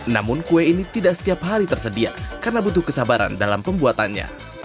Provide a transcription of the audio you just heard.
namun kue ini tidak setiap hari tersedia karena butuh kesabaran dalam pembuatannya